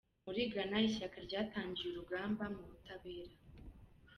Muri gana Ishyaka ryatangiye urugamba mu butabera